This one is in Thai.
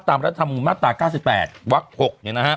ตามรัฐธรรมมตรา๙๘วัก๖